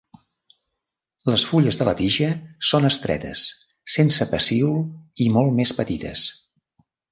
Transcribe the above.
Les fulles de la tija són estretes, sense pecíol i molt més petites.